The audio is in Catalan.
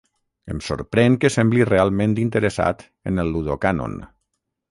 Em sorprèn que sembli realment interessat en el Ludocànon.